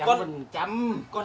con nhá nếu bà muốn trổ mông